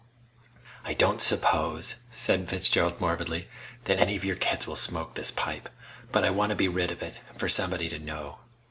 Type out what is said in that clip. "I don't suppose," said Fitzgerald morbidly, "that any of your kids will smoke this pipe, but I want to be rid of it and for somebody to know."